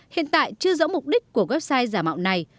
hiện tại chưa rõ mục đích của website giả mạo này